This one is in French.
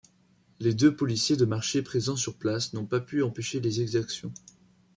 Les deux policiers de marché présents sur place n'ont pas pu empêcher les exactions.